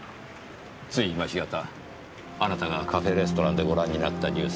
つい今しがたあなたがカフェレストランでご覧になったニュース